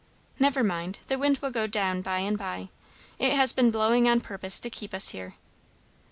"Never mind; the wind will go down by and by. It has been blowing on purpose to keep us here.